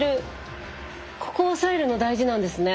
ここ押さえるの大事なんですね。